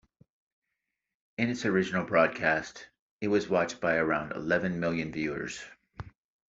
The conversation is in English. In its original broadcast, it was watched by around eleven million viewers.